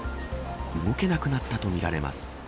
動けなくなったとみられます。